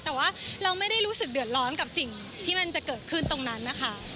แต่ว่าเราไม่ได้รู้สึกเดือดร้อนกับสิ่งที่มันจะเกิดขึ้นตรงนั้นนะคะ